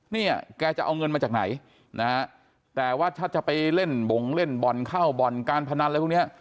เนี่ยแกจะเอาเงินมาจากไหนแต่ว่าถ้าจะไปเล่นบ่งเล่นบ่บ่นการพนันและพวกเนี้ย